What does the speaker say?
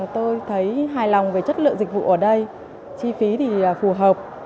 tôi thấy hài lòng về chất lượng dịch vụ ở đây chi phí thì phù hợp